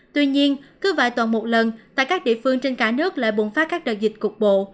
tuy nhiên cứ vài tuần một lần tại các địa phương trên cả nước lại bùng phát các đợt dịch cục bộ